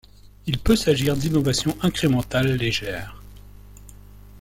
Il peut s'agir d’innovations incrémentales légères.